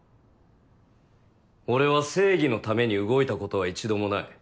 俺は正義の為に動いたことは一度もない。